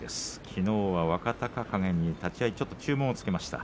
きのうは若隆景に立ち合いちょっと注文をつけました。